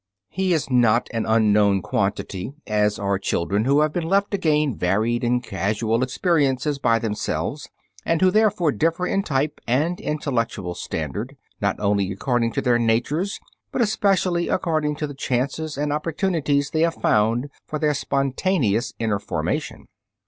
He is not an unknown quantity, as are children who have been left to gain varied and casual experiences by themselves, and who therefore differ in type and intellectual standard, not only according to their "natures," but especially according to the chances and opportunities they have found for their spontaneous inner formation.